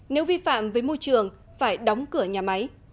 nếu vi phạm với môi trường phải đóng cửa nhà máy